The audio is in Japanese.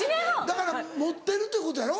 だから持ってるということやろ。